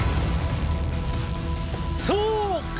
そうか！